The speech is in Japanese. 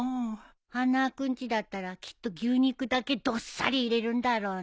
花輪君ちだったらきっと牛肉だけどっさり入れるんだろうね。